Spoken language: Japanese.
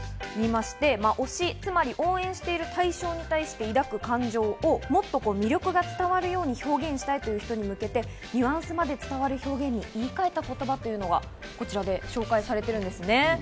推し、応援している対象に対して抱く感情を、もっと魅力が伝わるように表現したいという人に向けてニュアンスまで伝わる表現に言い換えた言葉というのがこちらで紹介されています。